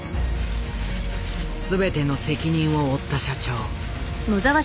全ての責任を負った社長。